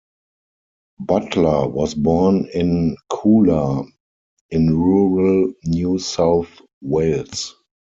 Butler was born in Coolah in rural New South Wales.